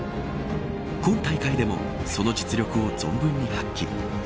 今大会でもその実力を存分に発揮。